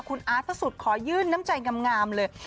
คุณอาร์ดสักสุดขอยื่นน้ำใจงามเลย